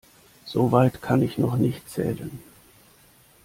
So weit kann ich noch nicht zählen.